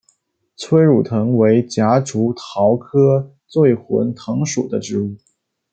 催乳藤为夹竹桃科醉魂藤属的植物。